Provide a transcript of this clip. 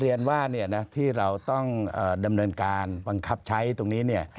เรียนว่าที่เราต้องดำเนินการบังคับใช้ตรงนี้เนี่ย